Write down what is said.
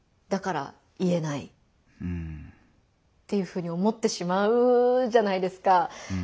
だから言えないっていうふうに思ってしまうじゃないですか。